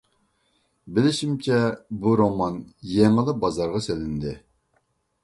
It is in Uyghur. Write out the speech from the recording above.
بىلىشىمچە بۇ رومان يېڭىلا بازارغا سېلىندى.